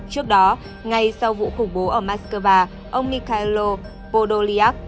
trước đó ngay sau vụ khủng bố ở moscow ông nikaello podolyak